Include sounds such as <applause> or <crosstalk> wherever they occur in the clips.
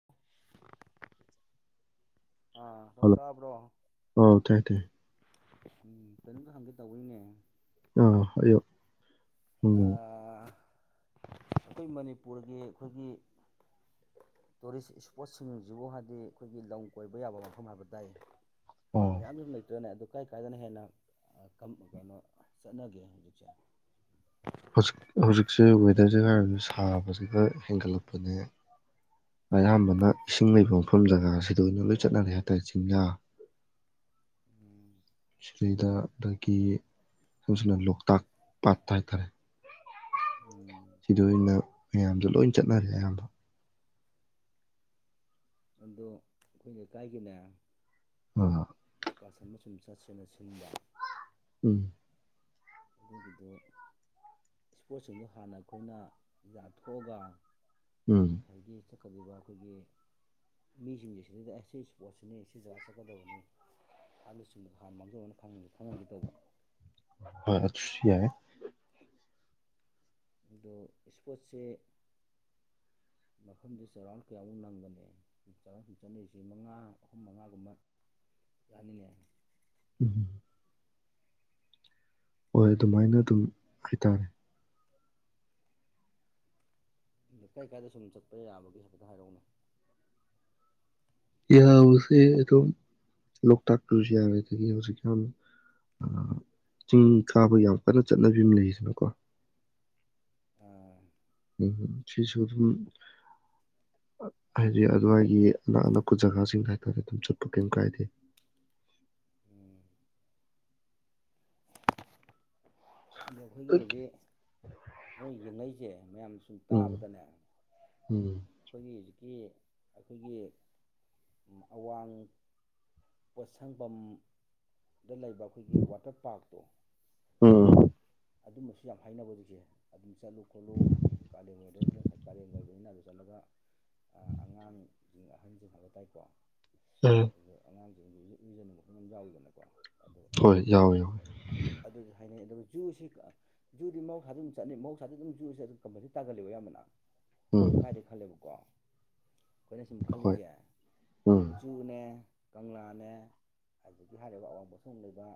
<inaudible> ꯑꯥ ꯊꯣꯛꯣꯛ ꯇꯥꯕ꯭ꯔꯣ ꯑꯣ ꯇꯥꯏ ꯇꯥꯏ <unintelligible> <inaudible> ꯎꯝ ꯀꯩꯅꯣꯝꯇ ꯍꯪꯒꯦ ꯇꯧꯕꯒꯤꯅꯦ ꯑ ꯑꯌꯣ <unintelligible> <inaudible> ꯑꯩꯈꯣꯏ ꯃꯅꯤꯄꯨꯔꯒꯤ ꯑꯩꯈꯣꯏꯒꯤ ꯇꯨꯔꯤꯁ ꯏꯁꯄꯣꯠꯁꯤꯡꯁꯤꯕꯨ ꯍꯥꯏꯗꯤ ꯑꯩꯈꯣꯏꯒꯤ ꯂꯝ ꯀꯣꯏꯕ ꯌꯥꯕ ꯃꯐꯝ ꯍꯥꯏꯕ ꯇꯥꯏ ꯑꯥ ꯃꯌꯥꯝ ꯁꯨꯝ ꯂꯩꯇ꯭ꯔꯅꯦ ꯑ <inaudible> ꯀꯥꯏ ꯀꯥꯏꯗꯅ ꯍꯦꯟꯅ ꯀꯩꯅꯣ ꯆꯠꯅꯒꯦ ꯍꯧꯖꯤꯛꯁꯦ ꯍꯧꯖꯤꯛ ꯍꯧꯖꯤꯛꯁꯦ ꯋꯦꯗꯔꯁꯦ ꯍꯥꯏꯔꯁꯨ ꯁꯥꯕꯕꯁꯤ ꯈ ꯍꯦꯟꯒꯠꯂꯛꯄꯅꯦ ꯑꯌꯥꯝꯕꯅ ꯏꯁꯤꯡ ꯂꯩꯕ ꯃꯐꯝ ꯖꯒꯥꯁꯤꯗ ꯑꯣꯏꯅ ꯂꯣꯏ ꯆꯠꯅꯔꯦ ꯍꯥꯏꯇꯥꯔꯦ ꯆꯤꯡꯌꯥ ꯎꯝ ꯁꯤꯗꯩꯗ ꯑꯗꯒꯤ ꯁꯝ ꯁꯅ ꯂꯣꯛꯇꯥꯛ ꯄꯥꯠꯇ ꯍꯥꯏꯇꯥꯔꯦ ꯎꯝ <inaudible> <unintelligible> ꯁꯤꯗ ꯑꯣꯏꯅ ꯃꯌꯥꯝꯗꯣ ꯂꯣꯏ ꯆꯠꯅꯔꯦ ꯑꯌꯥꯝꯕꯗꯣ ꯑꯗꯣ ꯑꯩꯈꯣꯏ ꯂꯩꯀꯥꯏꯒꯤꯅꯦ ꯍꯝ ꯍꯣꯏ <unintelligible> <inaudible> ꯏꯁꯀꯔꯁꯟ ꯑꯃꯁꯨꯡ ꯆꯠ ꯁꯦꯅ ꯁꯤꯟꯕ ꯎꯝ ꯑꯗꯨꯒꯤꯗꯨ ꯏꯁꯄꯣꯔꯠꯁꯤꯡꯗꯣ ꯍꯥꯟꯅ ꯑꯩꯈꯣꯏꯅ ꯌꯥꯊꯣꯛꯑꯒ ꯎꯝ ꯑꯗꯒꯤ ꯆꯠꯀꯗꯕ ꯑꯩꯈꯣꯏꯒꯤ ꯃꯤꯁꯤꯡꯁꯤ ꯁꯤꯗꯩꯗ ꯁꯤ ꯏꯁꯄꯣꯔꯠꯁꯤꯅꯤ ꯁꯤ ꯖꯒꯥ ꯆꯠꯀꯗꯕꯅꯤ ꯑꯍꯅꯆꯤꯡꯗꯨꯗ ꯍꯥꯟ ꯃꯥꯡꯖꯧꯅꯅ ꯈꯪꯍꯟꯈꯤꯗꯧꯕ ꯍꯁꯤ ꯌꯥꯏ ꯑꯗꯣ ꯏꯁꯄꯣꯔꯠꯁꯦ ꯃꯐꯝꯗ ꯆꯔꯥꯎ ꯀꯌꯥꯃꯨꯛ ꯅꯪꯒꯅꯤ ꯆꯥꯔ ꯁꯨꯝ ꯆꯠꯅꯁꯤ ꯃꯉꯥ ꯑꯍꯨꯝ ꯃꯉꯥꯒꯨꯝꯕ ꯌꯥꯅꯤꯉ ꯎꯝ ꯍꯣꯏ ꯑꯗꯨꯃꯥꯏꯅ ꯑꯗꯨꯝ ꯍꯥꯏꯇꯥꯔꯦ ꯑ ꯀꯥꯏ ꯀꯥꯏꯗ ꯁꯨꯝ ꯆꯠꯄ ꯌꯥꯕꯒꯤ ꯍꯥꯏꯐꯦꯠꯇ ꯍꯥꯏꯔꯛꯅꯦ ꯏꯍ ꯍꯧꯁꯦꯗꯣ ꯂꯣꯛ ꯇꯥꯛꯄꯁꯤ ꯌꯥ ꯍꯧ ꯎꯆꯕꯁꯤ ꯀꯩꯅꯣ ꯆꯤꯡ ꯈꯥꯕ ꯌꯥꯝ ꯀꯟꯅ ꯆꯠꯅꯕꯤ ꯑꯃ ꯂꯩꯔꯤꯁꯤꯅꯀꯣ ꯑꯥ ꯎꯝ ꯁꯤꯁꯨ ꯑꯗꯨꯝ ꯍꯥꯏꯗꯤ ꯑꯗꯨꯋꯥꯏꯒꯤ ꯑꯅꯛ ꯑꯅꯛꯄ ꯖꯒꯥꯁꯤꯡꯗ ꯍꯥꯏꯇꯥꯔꯦ ꯑꯗꯨꯝ ꯆꯠꯄ ꯀꯩꯝ ꯀꯥꯏꯗꯦ ꯎꯝ ꯑ ꯑꯩꯈꯣꯏꯒꯤ ꯍꯧꯖꯤꯛ ꯍꯣꯏ ꯌꯦꯡꯉꯩꯁꯦ ꯃꯌꯥꯝ ꯁꯨꯝ ꯎꯝ ꯇꯥꯕꯗꯅꯦ ꯎꯝ ꯑꯩꯈꯣꯏꯒꯤ ꯍꯧꯖꯤꯛꯀꯤ ꯑꯩꯈꯣꯏꯒꯤ ꯑꯋꯥꯡ ꯄꯣꯠꯁꯪꯐꯝꯝ ꯗ ꯂꯩꯕ ꯑꯩꯈꯣꯏꯒꯤ ꯋꯥꯇꯔ ꯄꯥꯔꯛꯇꯣ ꯎꯝ ꯑꯗꯨꯝꯕꯁꯨ ꯌꯥꯝ ꯍꯥꯏꯅꯕ ꯍꯧꯖꯤꯛꯁꯦ ꯑꯗꯨꯝ ꯆꯠꯂꯨ ꯈꯣꯠꯂꯨ ꯀꯥꯂꯦꯟꯉꯣꯏꯗ ꯉꯁꯥꯏ ꯀꯥꯂꯦꯟꯒꯣꯏꯕꯅꯤꯅ ꯑꯗꯨ ꯆꯠꯂꯒ ꯑꯉꯥꯡꯁꯤꯡ ꯑꯍꯟꯁꯤꯡ ꯍꯥꯏꯕ ꯇꯥꯏꯀꯣ ꯎꯝ ꯑꯗꯣ ꯑꯉꯥꯡꯁꯤꯡꯒꯤ ꯂꯨꯖꯟ ꯃꯈꯐꯝ ꯑꯃ ꯌꯥꯎꯋꯤꯗꯅꯀꯣ ꯑꯗꯣ ꯍꯣꯏ ꯌꯥꯎꯋꯦ ꯌꯥꯎꯋꯦ ꯑꯗꯨꯁꯨ ꯍꯥꯏꯅꯩ ꯑꯗꯨꯒ ꯖꯨꯁꯤ ꯖꯨꯗꯤ ꯃꯍꯧꯁꯥ ꯑꯗꯨꯝ ꯆꯠꯅꯩ ꯃꯍꯧꯁꯥꯗꯤ ꯑꯗꯨꯝ ꯖꯨꯁꯤ ꯑꯗꯨ ꯀꯃꯥꯏꯅ ꯇꯥꯒꯜꯂꯤꯣ ꯌꯥꯝꯕꯅ ꯎꯝ ꯖꯨꯀꯥꯏꯗꯦ ꯈꯜꯂꯦꯕꯀꯣ ꯀꯣꯏꯅꯁꯤꯃ ꯍꯣꯏ ꯈꯥꯂꯖ ꯎꯝ ꯨꯅꯦꯛ ꯀꯪꯂꯥꯅꯦ ꯍꯧꯖꯤꯛꯀꯤ ꯍꯥꯏꯔꯤꯕ ꯑꯋꯥꯡꯕꯊꯣꯡ ꯂꯩꯕ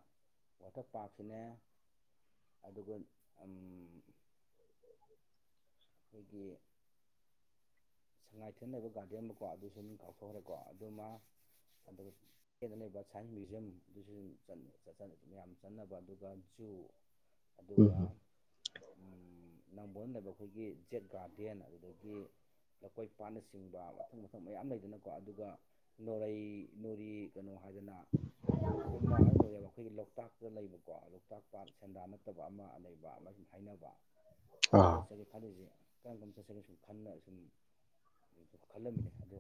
ꯋꯥꯇꯔ ꯄꯥꯔꯛꯁꯤꯅꯦ ꯑꯗꯨꯒ ꯑꯩꯈꯣꯏꯒꯤ ꯁꯉꯥꯏꯊꯦꯟ ꯂꯩꯕ ꯒꯥꯔꯗꯦꯟ ꯑꯃꯀꯣ ꯑꯗꯨꯁꯨ ꯑꯗꯨꯝ ꯀꯥꯎꯞꯊꯣꯛꯈ꯭ꯔꯦꯀꯣ ꯑꯗꯨꯃ ꯑꯗꯨꯒ ꯍꯦꯗ ꯂꯩꯕ ꯁꯥꯏꯟꯁ ꯃ꯭ꯌꯨꯖꯤꯌꯝ ꯑꯗꯨꯁꯨ ꯃꯌꯥꯝ ꯆꯟꯅꯅꯕ ꯑꯗꯨꯒ ꯖꯨ <inaudible> ꯑꯗꯨꯒ ꯎꯝ ꯅꯪꯕꯨꯣꯟ ꯂꯩꯕ ꯑꯩꯈꯣꯏꯒꯤ ꯖꯦꯛ ꯒꯥꯔꯗꯦꯟ ꯑꯗꯨꯗꯒꯤ ꯂꯧꯀꯣꯏ ꯄꯥꯠꯅꯆꯤꯡꯕ ꯃꯊꯪ ꯃꯊꯪ ꯃꯌꯥꯝ ꯂꯩꯗꯅꯀꯣ ꯑꯗꯨꯒ ꯅꯣꯔꯩ ꯅꯣꯔꯤ ꯀꯩꯅꯣ ꯍꯥꯏꯗꯅ ꯎꯃ ꯍꯥꯏꯔ ꯂꯣꯏꯔꯦꯕ ꯑꯩꯈꯣꯏꯒꯤ ꯂꯣꯛꯇꯥꯛꯇ ꯂꯩꯕꯀꯣ ꯂꯣꯛꯇꯥꯛ ꯄꯥꯠ ꯁꯦꯟꯗꯥꯟ ꯅꯠꯇꯕ ꯑꯃ ꯂꯩꯕ ꯑꯃ ꯍꯥꯏꯅꯕ ꯑꯗꯣ ꯑꯩꯈꯣꯏꯅ ꯑꯥ ꯆꯠꯒꯦ ꯈꯜꯂꯤꯁꯦ ꯀꯔꯝ ꯀꯔ ꯆꯠꯆꯒꯦ ꯁꯨꯝ ꯈꯟꯅ ꯁꯨꯝ ꯈꯜꯂꯝꯃꯤꯅꯦ ꯑꯗꯣ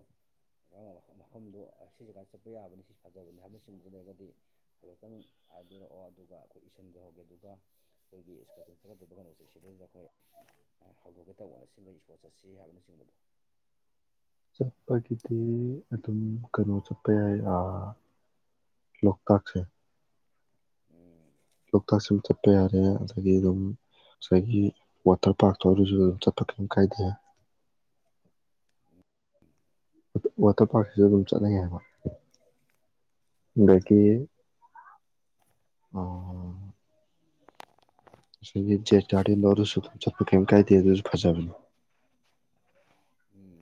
ꯃꯐꯝꯗꯣ ꯁꯤ ꯖꯒꯥ ꯆꯠꯄ ꯌꯥꯕꯅꯤ ꯁꯤ ꯐꯖꯕꯅꯤ ꯍꯥꯏꯕꯅꯆꯤꯡꯕꯗꯨ ꯂꯩꯔꯒꯗꯤ ꯍꯥꯏꯐꯦꯠꯇꯪ ꯍꯥꯏꯕꯤꯔꯛꯑꯣ ꯑꯗꯨꯒ ꯑꯩꯈꯣꯏ ꯏꯁꯤꯟꯖꯍꯧꯒꯦ ꯑꯗꯨꯒ ꯑꯩꯈꯣꯏꯒꯤ ꯏꯁꯀꯠꯤꯟ ꯆꯀꯠꯇꯕ ꯀꯩꯅꯣꯁꯦ ꯁꯤꯗꯩꯁꯤꯗ ꯑꯩꯈꯣꯏ ꯍꯧꯗꯣꯛꯀꯦ ꯇꯧꯕꯅ ꯁꯤꯃ ꯏꯁꯄꯣꯔꯠ ꯆꯠꯁꯤ ꯍꯥꯏꯕꯅꯆꯤꯡꯕꯗꯣ ꯆꯠꯄꯒꯤꯗꯤ ꯑꯗꯨꯝ ꯀꯩꯅꯣ ꯆꯠꯄ ꯌꯥꯏ ꯂꯣꯛ ꯇꯥꯛꯁꯦ ꯎꯝ ꯂꯣꯛꯇꯥꯛꯁꯤ ꯑꯗꯨꯝ ꯆꯠꯄ ꯌꯥꯔꯦ ꯑꯗꯒꯤ ꯑꯗꯨꯝ ꯉꯁꯥꯏꯒꯤ ꯋꯥꯇꯔ ꯄꯥꯔꯛꯇꯣ ꯑꯗꯨꯔꯁꯨ ꯑꯗꯨꯝ ꯆꯠꯄ ꯀꯔꯤꯝ ꯀꯥꯏꯗꯦ ꯋꯥꯇꯔ ꯄꯥꯔꯛꯁꯤꯁꯨ ꯑꯗꯨꯝ ꯆꯠꯅꯩ ꯍꯥꯏꯕ ꯆꯪꯉꯣ ꯑꯗꯒꯤ ꯑꯥ ꯁꯤꯒꯤ ꯖꯤꯠ ꯒꯥꯔꯗꯦꯟ ꯁꯨ ꯆꯠꯄ ꯀꯩꯝ ꯀꯥꯏꯗꯦ ꯑꯗꯨꯁꯨ ꯐꯖꯕꯅꯦ ꯎꯝ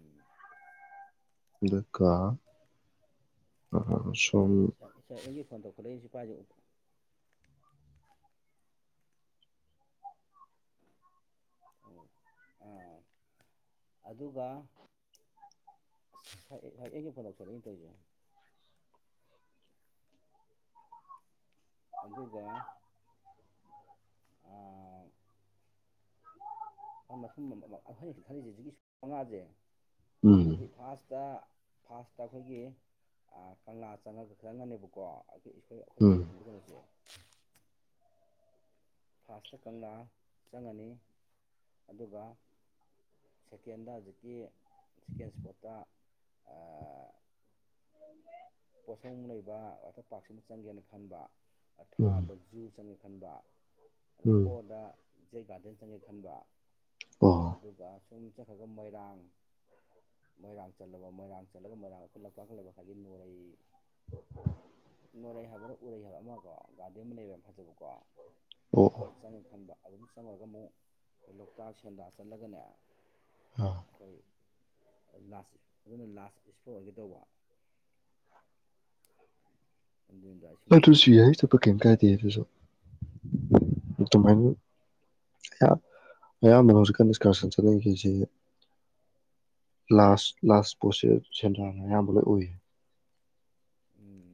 ꯑꯗꯨꯒꯀ ꯑ ꯁꯣꯝ ꯁ ꯑꯩꯒꯤ ꯐꯣꯟ ꯇꯧꯈꯠꯂꯛꯏꯁꯁꯤ ꯄꯥꯏꯁꯦ ꯎ ꯑꯗꯨꯒ ꯑꯁ ꯁꯥꯏ ꯁꯥꯏꯗꯒꯤ ꯐꯣꯟ ꯇꯩꯁꯟꯂꯛꯏꯅꯤ ꯇꯧꯏꯖ‌ꯦ ꯑꯗꯨꯒ ꯑꯥ ꯃꯊꯐꯝ ꯑꯩꯈꯣꯏ ꯈꯜꯂꯤꯁꯤ ꯍꯧꯖꯤꯛꯀꯤ ꯃꯉꯥꯁꯦ ꯎꯝ ꯑꯩ ꯐꯥꯔꯥꯁꯇ ꯐꯥꯔꯥꯁꯇ ꯑꯩꯈꯣꯏꯒꯤ ꯀꯪꯂꯥ ꯆꯪꯉꯒ ꯈꯪꯉꯅꯦꯕꯀꯣ ꯑꯩ ꯑꯩꯈꯣꯏ ꯑꯩꯈꯣꯏ ꯍꯥꯟꯅ ꯎꯝ ꯊꯝꯖꯗꯧꯁꯦ ꯐꯥꯁꯇ ꯀꯪꯂꯥ ꯆꯪꯉꯅꯤ ꯑꯗꯨꯒ ꯁꯦꯀꯦꯟꯗ ꯍꯧꯖꯤꯛꯀꯤ ꯁꯦꯀꯦꯟ ꯏꯁꯄꯣꯠꯇ ꯄꯣꯠꯁꯧ ꯂꯩꯕ ꯋꯥꯇꯔ ꯄꯥꯔꯛꯁꯤꯃ ꯆꯪꯒꯦꯅ ꯈꯟꯕ ꯎꯝ ꯊꯥꯗ ꯖꯨ ꯆꯪꯉꯦ ꯈꯟꯕ ꯑ ꯎꯝ ꯐꯣꯔꯗ ꯖꯩ ꯒꯥꯔꯗꯦꯟ ꯆꯪꯉꯦ ꯈꯟꯕ ꯑꯣ ꯑꯗꯨꯒ ꯁꯨꯝ ꯆꯠꯈ꯭ꯔꯒ ꯃꯣꯏꯔꯥꯡ ꯃꯣꯏꯔꯥꯡ ꯆꯠꯂꯕ ꯃꯣꯏꯔꯥꯡ ꯆꯠꯂꯒ ꯃꯣꯏꯔꯥꯡ ꯑꯩꯈꯣꯏ ꯂꯀꯈ ꯂꯩꯕ ꯈꯥꯏꯒꯤ ꯅꯣꯔꯩ ꯅꯣꯔꯩ ꯍꯥꯏꯕ꯭ꯔꯥ ꯎꯔꯩ ꯍꯥꯏꯕ ꯑꯃꯒꯀꯣ ꯒꯥꯔꯗꯦꯟ ꯑꯃ ꯂꯩꯕ ꯌꯥꯝ ꯐꯖꯕꯀꯣ ꯑꯣ ꯑꯗꯨ ꯑꯣ ꯆꯪꯉꯦ ꯈꯟꯕ ꯑꯗꯨꯝ ꯆꯪꯉꯨꯔꯒ ꯑꯃꯨꯛ ꯑꯩꯏ ꯂꯣꯛꯇꯥꯛ ꯁꯦꯟꯗ ꯆꯠꯂꯒꯅꯦ ꯑꯥ ꯑꯩꯈꯣꯏ ꯂꯥꯁ ꯑꯗꯨꯅ ꯂꯥꯁ ꯏꯁꯄꯣꯔ ꯑꯣꯏꯒ ꯇꯧꯕ ꯑꯗꯨ ꯑꯗꯨꯁꯨ ꯌꯥꯏꯇꯣꯞꯄ ꯀꯩꯝ ꯀꯥꯏꯗꯦ ꯑꯗꯨꯁꯨ ꯑꯗꯨꯃꯥꯏꯅ ꯌꯥꯝ ꯑꯌꯥꯝꯕꯅ ꯍꯧꯖꯤꯛꯀ ꯅꯤꯁꯀꯥꯔꯁꯟ ꯆꯠꯅꯤꯡꯈꯤꯁꯤ ꯂꯥꯁ ꯂꯥꯁ ꯄꯣꯠꯁꯦ ꯁꯦꯟꯗ꯭ꯔꯥꯅ ꯑꯌꯥꯝꯕ ꯂꯣꯏ ꯑꯣꯏꯏꯌꯦ ꯎꯝ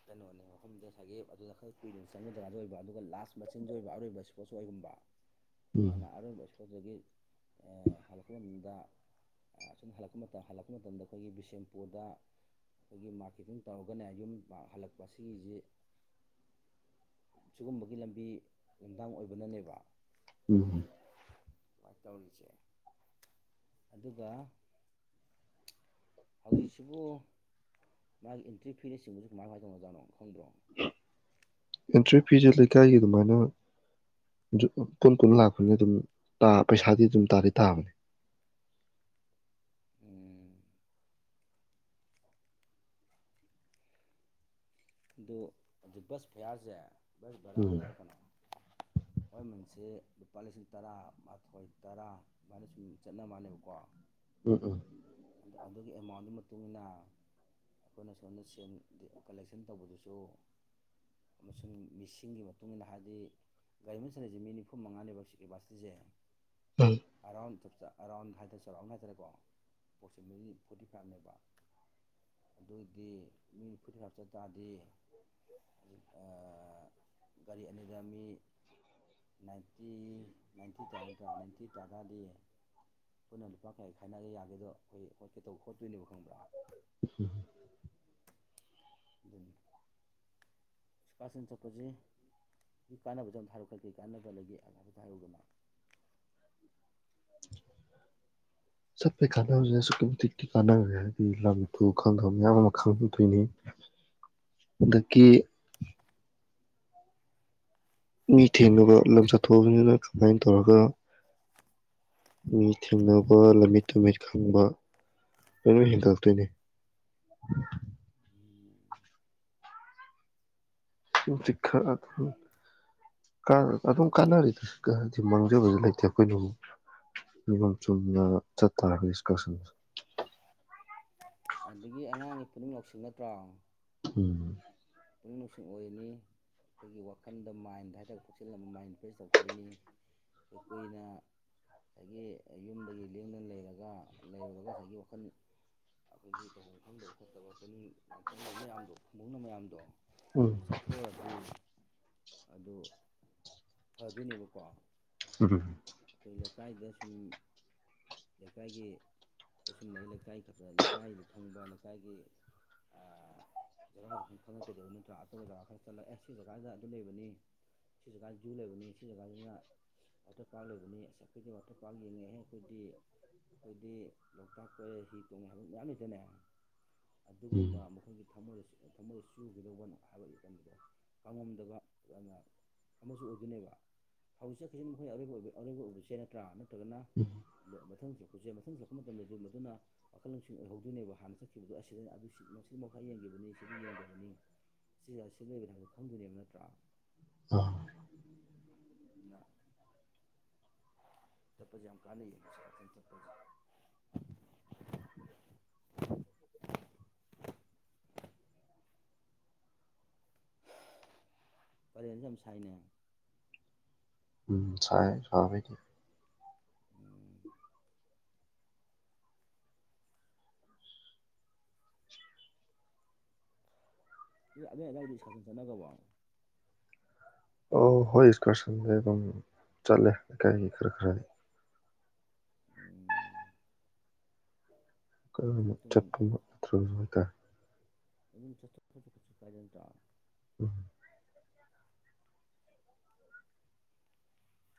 <unintelligible> ꯃꯐꯝꯗ ꯁꯥꯏꯒꯦ ꯑꯗꯨꯗ ꯈꯔ ꯀꯨꯏꯅ ꯆꯪꯅꯗ꯭ꯔꯥꯗ ꯑꯣꯏꯕ ꯑꯗꯨꯒ ꯂꯥꯁ ꯃꯆꯤꯟꯁꯨ ꯑꯣꯏꯕ ꯑꯔꯣꯏꯕ ꯁ ꯏꯁꯄꯣꯔꯠꯁ ꯑꯣꯏꯒꯨꯝꯕ ꯎꯝ ꯑꯅ ꯑꯣꯏꯕꯁꯣꯔꯗꯒꯤ ꯍꯜꯄꯅꯨꯡꯗ ꯑꯁꯨꯝꯅ ꯍꯜꯂꯛꯄ ꯃꯇꯝ ꯍꯜꯂꯛꯄ ꯃꯇꯝꯗ ꯑꯩꯈꯣꯏꯒꯤ ꯕꯤꯁꯦꯝꯄꯨꯔꯗ ꯑꯩꯈꯣꯏꯒꯤ ꯃꯥꯔꯀꯦꯇꯤꯡ ꯇꯧꯔꯒꯅꯦ ꯌꯨꯝ ꯍꯜꯂꯛꯄ ꯁꯤꯒꯤꯁꯤ ꯁꯤꯒꯨꯝꯕꯒꯤ ꯂꯝꯕꯤ ꯂꯝꯗꯥꯡ ꯑꯣꯏꯕꯅꯅꯦꯕ ꯎꯝ ꯀꯃꯥꯏꯅ ꯇꯧꯔꯤꯁꯦ ꯑꯗꯨꯒ <inaudible> ꯍꯧꯖꯤꯛꯁꯤꯕꯨ ꯃꯥꯒꯤ ꯑꯦꯟꯇ꯭ꯔꯤ ꯐꯤꯅꯆꯤꯡꯕꯁꯤ ꯀꯃꯥꯏ ꯀꯥꯏ ꯇꯧꯅꯖꯥꯠꯅꯣ ꯈꯪꯗ꯭ꯔꯣ ꯑꯦꯟꯇ꯭ꯔꯤ ꯐꯤꯁꯦ ꯂꯩꯀꯥꯏꯒꯤ ꯑꯗꯨꯃꯥꯏꯅ ꯀꯨꯟ ꯀꯨꯟ ꯂꯥꯛꯄꯅꯤ ꯑꯗꯨꯝ ꯄꯩꯁꯥꯗꯤ ꯑꯗꯨꯝ ꯇꯥꯗꯤ ꯇꯥꯕꯅꯤ ꯑꫭ ꯑꯗꯨ ꯑꯗꯨ ꯕꯁ ꯐꯤꯌꯥꯔꯁꯦ ꯕꯁ ꯕꯔꯥ ꯎꯝ ꯍꯥꯏꯂꯔ ꯀꯩꯅꯣ ꯑꯩꯈꯣꯏꯃꯟꯁꯦ ꯂꯨꯄꯥ ꯂꯤꯁꯤꯡ ꯇꯔꯥꯃꯊꯣꯏ ꯇꯔꯥ ꯑꯗꯨꯃꯥꯏꯅ ꯁꯨꯝ ꯆꯠꯅ ꯃꯥꯜꯂꯕꯀꯣ ꯎꯝ ꯑꯗꯨꯒꯤ ꯑꯦꯃꯥꯎꯟꯗꯨꯒꯤ ꯃꯇꯨꯡ ꯏꯟꯅ ꯑꯈꯣꯏꯅ ꯁꯣꯝꯗ ꯁꯦꯟ ꯗꯤ ꯀꯂꯦꯛꯁꯟ ꯇꯧꯕꯗꯨꯁꯨ ꯑꯃꯁꯨꯡ ꯃꯤꯁꯤꯡꯒꯤ ꯃꯇꯨꯡ ꯏꯟꯅ ꯍꯥꯏꯗꯤ ꯒꯥꯔꯤ ꯑꯃꯥꯅ ꯆꯟꯂꯤꯁꯦ ꯃꯤ ꯅꯤꯐꯨ ꯃꯉꯥꯅꯦꯕ ꯁꯤꯠ ꯀꯦꯄꯥꯁꯤꯇꯤꯁꯦ ꯎꯝ ꯑꯔꯥꯎꯟ ꯑꯔꯥꯎꯟ ꯍꯥꯏꯇꯥꯔꯦ ꯆꯧꯔꯥꯛꯅ ꯍꯥꯏꯇꯥꯔꯦꯀꯣ ꯄꯣꯁꯤꯃꯤꯂꯤꯇꯤ ꯐꯣꯔꯇꯤ ꯐꯥꯏꯕꯅꯦꯕ ꯑꯗꯨꯑꯣꯏꯗꯤ ꯃꯤ ꯐꯣꯔꯇꯤ ꯐꯥꯏꯕ ꯍꯥꯞꯆꯟ ꯇꯥꯔꯗꯤ ꯑꯥ ꯒꯥꯔꯤ ꯑꯅꯤꯗ ꯃꯤ ꯅꯥꯏꯟꯇꯤ ꯅꯥꯏꯟꯇꯤ ꯇꯥꯏ ꯅꯠꯇ꯭ꯔꯣ ꯅꯥꯏꯟꯇꯤ ꯇꯥꯔꯥꯗꯤ ꯄꯨꯟꯅꯥ ꯂꯨꯄꯥ ꯀꯌꯥ ꯈꯥꯏꯅꯔꯥ ꯌꯥꯒꯦꯗꯣ ꯑꯩꯈꯣꯏ ꯍꯣꯠꯀꯦ ꯇꯧꯕ ꯈꯣꯠꯇꯣꯏꯅꯦꯕ ꯈꯪꯕ꯭ꯔꯥ ꯎꯝ ꯑꯗꯨ ꯀꯥꯛꯁꯟ ꯆꯠꯄꯁꯦ ꯀꯥꯟꯅꯕꯁꯦ ꯑꯝꯇꯥ ꯍꯥꯏꯔꯛꯑꯣ ꯀꯩ ꯀꯩ ꯀꯥꯟꯅꯕ ꯂꯩꯒꯦ ꯍꯥꯏꯐꯦꯠꯇꯥ ꯍꯥꯏꯔꯛꯎꯗꯅ ꯆꯠꯄꯩ ꯀꯥꯟꯅꯕꯁꯦ ꯑꯁꯨꯛꯀꯤ ꯃꯇꯤꯛ ꯀꯥꯟꯅꯈ꯭ꯔꯦ ꯂꯝꯇꯨ ꯈꯪꯗꯦ ꯑꯃꯥ ꯈꯪꯍꯧꯗꯣꯏꯅꯤ <inaudible> ꯑꯗꯥꯒꯤ ꯃꯤ ꯊꯦꯡꯅꯕ ꯂꯝ ꯆꯠꯊꯣꯛꯑꯕꯅꯤꯅ ꯀꯃꯥꯏꯅ ꯇꯧꯔꯒ ꯃꯤ ꯊꯦꯡꯅꯕ ꯂꯝꯃꯤꯠ ꯇꯨꯃꯤꯠ ꯈꯪꯕ ꯂꯣꯏ ꯍꯦꯟꯒꯠꯂꯛꯇꯣꯏꯅꯦ <unintelligible> ꯑꯗꯨꯝ ꯀꯥꯟꯅꯔꯤ ꯃꯥꯡꯖꯕꯗꯤ ꯂꯩꯇꯦ ꯑꯩꯈꯣꯏ ꯅꯤꯌꯣꯝ ꯆꯨꯝꯅ ꯆꯠꯇꯥꯔꯥꯗꯤ ꯏꯁꯀꯥꯁꯟ ꯑꯗꯒꯤ ꯑꯉꯥꯡꯒꯤ ꯄꯨꯛꯅꯤꯡ ꯂꯧꯁꯤꯡ ꯅꯠꯇ꯭ꯔꯥ ꯎꯝ ꯄꯨꯛꯅꯤꯡ ꯅꯨꯡꯁꯤꯡ ꯑꯣꯏꯅꯤ ꯑꯩꯈꯣꯏꯒꯤ ꯋꯥꯈꯟꯗ ꯃꯥꯏꯟꯗ ꯍꯥꯏꯇꯥꯔꯦ ꯈꯣꯆꯤ ꯑꯃ ꯃꯥꯏꯟ ꯔꯤꯐ꯭ꯔꯦꯁ ꯇꯧꯊꯣꯛꯏꯅꯤ ꯑꯗꯨꯛ ꯀꯨꯏꯅꯥ ꯉꯁꯥꯏꯒꯤ ꯌꯨꯝꯗꯒꯤ ꯂꯦꯡꯗꯅ ꯂꯩꯔꯒ ꯂꯩꯔꯨꯔꯒ ꯉꯁꯥꯏꯒꯤ ꯋꯥꯈꯜ ꯑꯩꯈꯣꯏꯒꯤ ꯇꯧꯐꯝ ꯈꯪꯗꯕ ꯈꯣꯠꯇꯕ ꯄꯨꯛꯅꯤꯡ ꯂꯥꯡꯇꯛꯅꯥꯕ ꯃꯌꯥꯝꯗꯣ ꯐꯨꯡꯕꯪꯅꯕꯥ ꯃꯌꯥꯝꯗꯣ ꯎꯝ ꯆꯠꯊꯣꯛꯑꯒꯗꯤ ꯑꯗꯨ ꯐꯗꯣꯏꯅꯦꯕꯀꯣ ꯎꯝ ꯑꯈꯣꯏ ꯂꯩꯀꯥꯏꯗ ꯁꯨꯝ ꯂꯩꯀꯥꯏꯒꯤ ꯇꯥꯁꯨꯝ ꯂꯩꯀꯥꯏ ꯈꯒꯥ ꯂꯩꯀꯥꯏꯗ ꯈꯪꯕ ꯂꯩꯀꯥꯏꯒꯤ ꯖꯒꯥ ꯈꯪ ꯈꯪꯉꯥꯀꯩꯗꯧꯅꯤ ꯅꯠꯇ꯭ꯔꯥ ꯑꯇꯣꯞꯄ ꯖꯒꯥ ꯈꯔꯥ ꯆꯠꯂꯛꯒꯥ ꯑꯦ ꯁꯤ ꯖꯒꯥꯖꯤꯗꯥ ꯑꯗꯨ ꯂꯩꯕꯅꯤ ꯁꯤ ꯖꯒꯥꯥ ꯖꯨ ꯂꯩꯕꯅꯤ ꯁꯤ ꯖꯒꯥꯁꯤꯅ ꯋꯥꯇꯔ ꯄꯥꯛ ꯂꯩꯕꯅꯤ ꯑꯁ ꯑꯩꯈꯣꯏꯒꯤ ꯋꯥꯇꯔ ꯄꯥꯛ ꯌꯦꯡꯉꯦ ꯍꯦ ꯑꯈꯣꯏꯗꯤ ꯑꯩꯈꯣꯏꯗꯤ ꯂꯣꯛꯇꯥꯛ ꯀꯣꯏꯔꯦ ꯍꯤ ꯇꯣꯡꯉꯦ ꯍꯥꯏꯕ ꯃꯌꯥꯝ ꯂꯩꯇꯔꯥꯅꯦ ꯑꯗꯨꯒꯨꯝꯕ ꯎꯝ ꯃꯈꯣꯏꯒꯤ ꯊꯃꯣꯏꯗꯁꯨ ꯊꯃꯣꯏꯗ ꯆꯨꯈꯤꯗꯧꯕ ꯍꯥꯏꯕꯒꯤ ꯀꯩꯅꯣꯗꯣ ꯀꯥꯎꯉꯝꯗꯕꯥ ꯌꯥꯝꯅ ꯑꯃꯁꯨ ꯑꯣꯏꯗꯣꯏꯅꯦꯕ ꯍꯧꯖꯤꯛ ꯆꯠꯈꯤꯁꯤꯅ ꯃꯈꯣꯏ ꯑꯔꯣꯏꯕ ꯑꯔꯣꯏꯕ ꯑꯣꯏꯕꯁꯦ ꯅꯠꯇ꯭ꯔꯥ ꯅꯠꯇ꯭ꯔꯒꯅ ꯎꯝ ꯃꯊꯪ ꯆꯠꯄꯁꯦ ꯃꯊꯪ ꯆꯠꯂꯄꯥ ꯃꯇꯝꯗꯥꯗꯤ ꯃꯗꯨꯅ ꯋꯥꯈꯜ ꯂꯧꯁꯤꯡ ꯑꯣꯏꯍꯧꯗꯣꯏꯅꯦꯕ ꯍꯥꯟꯅ ꯆꯠꯈꯤꯕꯗꯣ ꯑꯁꯤꯗ ꯃꯁꯤꯗ ꯃꯈꯥ ꯌꯦꯡꯈꯤꯕꯅꯤ ꯁꯤꯗꯤ ꯌꯦꯡꯗꯕꯅꯤ ꯁꯤꯗꯥ ꯁꯤ ꯂꯩꯕꯅꯦ ꯍꯥꯏꯕꯣ ꯈꯪꯗꯣꯏꯅꯦꯕ ꯅꯠꯇ꯭ꯔꯥ ꯑꯥ ꯎꯝ ꯆꯠꯄꯥꯁꯦ ꯌꯥꯝ ꯀꯥꯟꯅꯩꯌꯦ ꯏꯁꯀꯥꯁꯟ ꯆꯠꯄꯥ ꯀꯥꯂꯦꯟꯟꯁꯦ ꯌꯥꯝ ꯁꯥꯏꯅꯦ ꯎꯝ ꯁꯥꯏ ꯁꯥꯕꯗꯤ ꯎꯝ ꯁꯤ ꯑꯗꯨꯏ ꯑꯗꯥꯏ ꯗꯤꯀꯁꯟ ꯆꯠꯅꯕꯕꯣ ꯑꯣ ꯍꯣꯏ ꯏꯁꯀꯔꯁꯟꯁꯦ ꯑꯗꯨꯝ ꯆꯠꯂꯦ ꯂꯩꯀꯥꯏꯒꯤ ꯈꯔ ꯈꯔꯗꯤ ꯎꯝ ꯀꯔ ꯑꯗꯨꯝ ꯆꯠꯄ ꯅꯠꯇ꯭ꯔꯕꯁꯨ ꯍꯥꯏꯇꯥꯔꯦ ꯑꯗꯨꯝ ꯆ ꯀꯆ ꯀꯆꯨ ꯀꯥꯏꯔꯦꯟ ꯎꯝ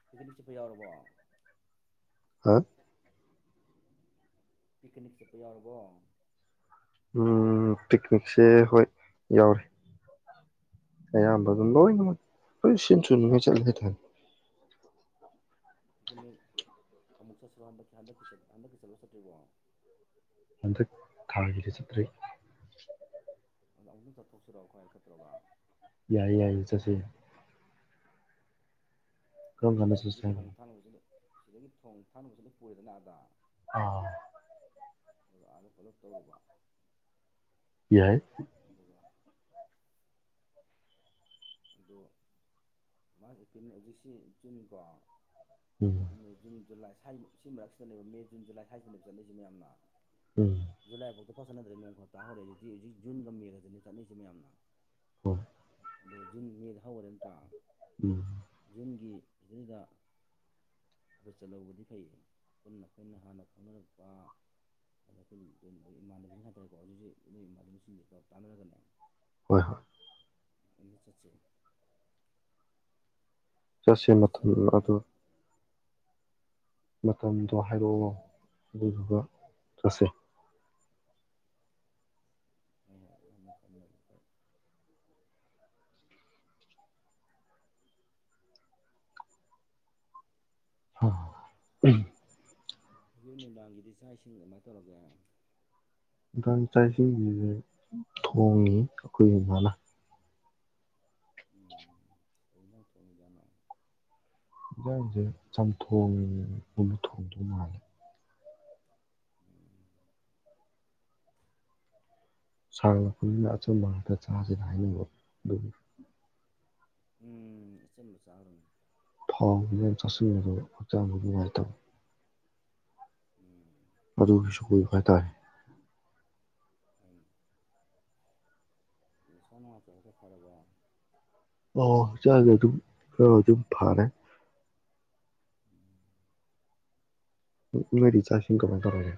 ꯄꯤꯛꯅꯤꯛ ꯆꯠꯄ ꯌꯥꯎꯔꯕꯣ ꯍꯥ ꯄꯤꯛꯅꯤꯛ ꯆꯠꯄ ꯌꯥꯎꯔꯕꯣ ꯎ ꯇꯤꯛꯅꯤꯛꯁꯦ ꯍꯣꯏ ꯌꯥꯎꯔꯤ ꯑꯌꯥꯝꯕ ꯑꯗꯨꯝ ꯂꯣꯏꯅꯃꯛ ꯍꯣꯏ ꯁꯤꯟ ꯊꯨꯅꯉꯥꯏ ꯆꯠꯂꯦ ꯍꯥꯏꯇꯥꯅꯤ꯫ ꯇꯤꯀꯅꯤꯛ ꯑꯃꯨꯛ ꯆꯠꯁꯤꯔꯣ ꯍꯟꯗꯛꯟꯗꯛ ꯍꯟꯗꯛꯀꯤ ꯆꯠꯂꯣ ꯆꯠꯇ꯭ꯔꯤꯕꯣ꯫ ꯍꯟꯗꯛ ꯊꯥꯒꯤꯗꯤ ꯆꯠꯇ꯭ꯔꯔꯤ꯫ ꯑꯗ ꯑꯃꯨꯛꯇꯪ ꯆꯠꯣꯛꯆꯔꯑꯣ ꯑꯩꯈꯣꯏ ꯈꯔꯥꯇꯧꯔꯒ꯫ ꯌꯥꯏꯌꯦ ꯌꯥꯏꯌꯦ ꯆꯠꯁꯦ꯫ ꯀꯔꯝ ꯑꯩꯈꯣꯏꯅ ꯀꯥꯟꯗ ꯁꯤꯗꯒꯤ ꯆꯠꯁꯦ ꯍꯥꯏꯅꯣ ꯊꯣꯡ ꯊꯥꯅꯕꯁꯤꯗ ꯁꯤꯗꯒꯤ ꯊꯣꯡ ꯊꯥꯅꯕꯁꯤꯅ ꯄꯨꯔꯦꯗꯅ ꯑꯗ__ ꯑꯣ ꯑꯗꯨꯒ ꯑꯗꯥ ꯄꯨꯂꯞ ꯇꯧꯔꯨꯕ꯫ ꯌꯥꯏ꯫ ꯑꯗꯨꯒ ꯑꯗꯣ ꯃꯥꯔꯁ ꯑꯦꯄ꯭ꯔꯤꯜ ꯍꯧꯖꯤꯛꯁꯤ ꯖꯨꯟ ꯀꯣ꯫ ꯎꯝ ꯃꯦ ꯖꯨꯟ ꯖꯨꯂꯥꯏ ꯁꯤ ꯃꯔꯛꯁꯤꯗꯅꯦꯕ ꯃꯦ ꯖꯨ ꯖꯂꯥꯏ꯭ꯥꯏꯁꯤꯅꯦꯕ ꯆꯠꯂꯤꯁꯁꯤ ꯃꯌꯥꯝꯅ꯫ ꯎꯝ ꯖꯨꯂꯥꯏꯐꯥꯎꯗ ꯐꯠ ꯁꯠꯅꯗ꯭ꯔꯦ ꯅꯣꯡ ꯈꯔ ꯇꯥꯍꯧꯔꯦ ꯍꯧꯖꯤꯛꯇꯤ ꯍꯧꯖꯤꯛ ꯖꯨꯟꯒ ꯃꯦꯔꯗꯅꯦ ꯆꯠꯅꯁꯦ ꯃꯌꯥꯝꯅ꯫ ꯍꯣꯏ ꯑꯗꯣ ꯖꯨꯟ ꯃꯦꯗ ꯍꯧꯔꯦ ꯅꯠꯇ꯭ꯔꯥ꯫ ꯎꯝ ꯖꯨꯟꯒꯤ ꯁꯤꯗꯩꯗ꯫ ꯑꯗꯨ ꯆꯠꯍꯧꯕꯗꯤ ꯐꯩꯌꯦ ꯄꯨꯟꯅ ꯑꯩꯈꯣꯏꯅ ꯍꯥꯟꯅ ꯈꯪꯅꯔꯛꯄ__ ꯑꯗ ꯑꯩꯈꯣꯏ ꯂꯣꯏ ꯏꯃꯥꯟꯅꯕꯁꯤꯡ ꯍꯥꯏꯇꯥꯔꯦꯀꯣ ꯍꯧꯖꯤꯛꯖꯤ ꯅꯣꯏ ꯏꯃꯥꯟꯅꯕꯁꯤꯡꯁꯦ ꯇꯥꯟꯅꯔꯒꯅꯦ__ ꯍꯣꯏ ꯍꯣꯏ ꯇꯗ ꯆꯠꯁꯦ ꯆꯠꯁꯤ ꯑꯗ ꯃꯇꯝ ꯆꯠꯂꯗꯤ ꯑꯗꯨ ꯃꯇꯝꯗꯣ ꯍꯥꯏꯔꯛꯑꯣ ꯎꯝ ꯑꯗꯨꯗꯨꯒ ꯆꯠꯁꯦ꯫ ꯍꯣꯏ ꯃꯅ ꯈꯝꯅꯖꯦ ꯍ ꯍꯧꯖꯤꯛ ꯅꯨꯡꯗꯥꯡꯒꯤꯗꯤ ꯆꯥꯛ ꯏꯁꯤꯡ ꯑꯗꯨꯃꯥꯏꯅ ꯇꯧꯔꯒꯦ꯫ ꯏꯝꯐ ꯆꯥꯏꯁꯤꯡꯁꯤꯁꯦ ꯊꯣꯡꯉꯤ ꯑꯩꯈꯣꯏ ꯏꯃꯥꯅ꯫ ꯀꯩ ꯏꯟꯖꯥꯡ ꯊꯣꯡꯉꯤ ꯖꯠꯅꯣ꯫ ꯌꯦꯟꯖꯥꯡꯁꯦ ꯆꯝꯊꯣꯡꯉꯤꯅꯦ ꯃꯅ ꯊꯣꯡꯗꯧ ꯃꯥꯜꯂꯦ ꯎꯝ ꯁꯥꯡꯂꯛꯄꯅꯤꯅ ꯑꯆꯝꯕꯕ ꯉꯥꯛꯇ ꯆꯥꯁꯤꯦꯅ ꯍꯥꯏꯅꯤꯡꯕ ꯑꯗꯨꯅꯤ꯫ ꯎꯝ ꯏꯆꯝꯕꯂ ꯆꯥꯔꯝꯃꯤ ꯊꯥꯎꯒꯤꯗ ꯆꯥꯁꯤꯟꯅꯕꯗ ꯍꯛꯆꯥꯡꯕꯨ ꯅꯨꯡꯉꯥꯏꯇꯕ ꯎꯝ ꯑꯗꯨꯒꯤꯁꯨ ꯀꯨꯏꯨ ꯍꯥꯏꯇꯥꯔꯦ ꯎꯝ ꯅꯁꯥ ꯅꯨꯡꯉꯥꯏꯇꯦ ꯍꯥꯏꯗꯣ ꯐꯔꯕꯣ꯫ ꯑ ꯍꯛꯆꯥꯡꯗ ꯑꯗꯨꯝ ꯈꯔ ꯑꯗꯨꯝ ꯐꯔꯦ꯫ ꯎꯝ ꯅꫭꯏꯗꯤ ꯆꯥꯛ ꯏꯁꯤꯡ ꯀꯃꯥꯏ ꯀꯃꯥꯏꯅ